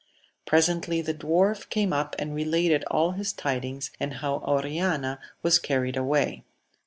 Presently the dwarf came up and related all his tidings, and how Oriana was carried away.